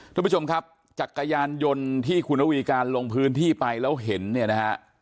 ทุกผู้ชมครับจักรยานยนต์ที่คุณระวีการลงพื้นที่ไปแล้วเห็นเนี่ยนะฮะ